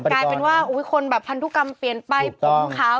กลายเป็นว่าโอ๊ยคนแบบพันธุกรรมเปลี่ยนป้ายภูมิคร้าว